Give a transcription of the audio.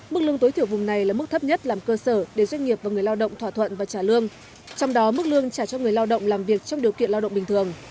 mức lương tối thiểu vùng này là mức thấp nhất làm cơ sở để doanh nghiệp và người lao động thỏa thuận và trả lương trong đó mức lương trả cho người lao động làm việc trong điều kiện lao động bình thường